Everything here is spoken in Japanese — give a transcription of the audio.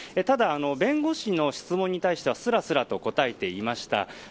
ただ、弁護士の質問に対してはすらすらと答えていました。